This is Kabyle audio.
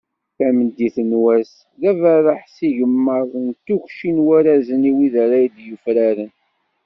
Tameddit n wass, d aberreḥ s yigemmaḍ d tukci n warrazen i wid ara d-yufraren.